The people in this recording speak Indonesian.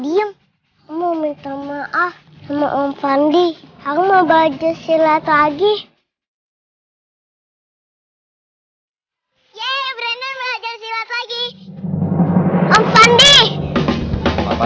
diam mau minta maaf sama om fandi aku mau baju silat lagi